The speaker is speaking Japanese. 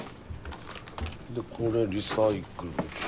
でこれリサイクルでしょ。